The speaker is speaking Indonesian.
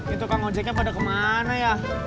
itu kan ojeknya pada kemana ya